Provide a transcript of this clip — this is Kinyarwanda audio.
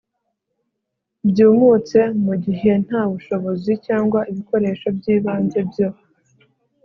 byumutse mu gihe nta bushobozi cyangwa ibikoresho by'ibanze byo